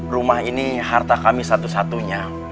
rumah ini harta kami satu satunya